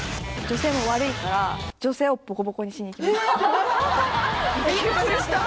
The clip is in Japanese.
女性も悪いから女性をボコボコにしに行きますビックリした！